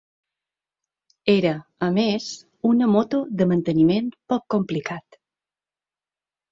Era, a més, una moto de manteniment poc complicat.